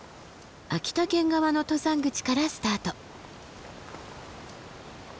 秋田県側の登山口からスタート。